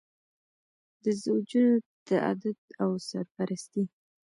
د زوجونو تعدد او سرپرستي.